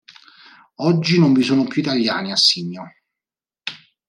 Oggi non vi sono più italiani a Signo.